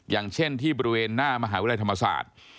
อย่างเช่นที่บริเวณหน้ามหาวิทยาลัยธรรมศาสตร์